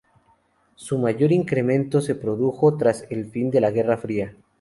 Su mayor incremento se produjo tras el fin de la Guerra Fría.